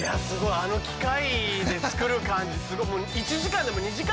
あの機械で作る感じすごい。